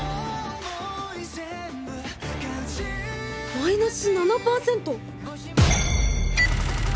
マイナス７％？